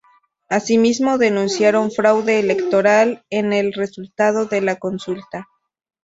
Así mismo denunciaron fraude electoral en el resultado de la consulta.